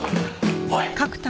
おい！